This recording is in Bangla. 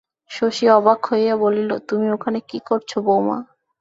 শশী অবাক হইয়া বলিল, তুমি ওখানে কী করছ বৌ?